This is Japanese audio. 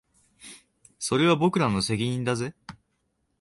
それは僕らの責任だぜ